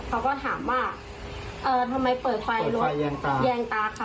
เขาก็ถามว่าเออทำไมเปิดไฟรถแยงตาค่ะ